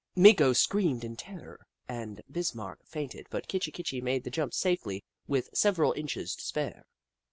Meeko screamed in terror and Bismarck fainted, but Kitchi Kitchi made the jump safely with several inches to spare.